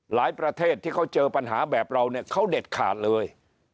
ประเทศที่เขาเจอปัญหาแบบเราเนี่ยเขาเด็ดขาดเลย